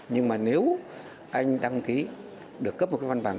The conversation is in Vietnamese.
nhưng mà nếu anh đăng ký được cấp một cái văn bằng